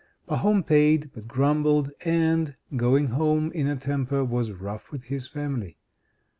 Pahom paid, but grumbled, and, going home in a temper, was rough with his family.